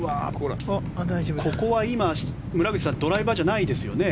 ここは今、村口さんドライバーじゃないですよね？